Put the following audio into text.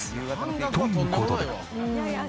という事で。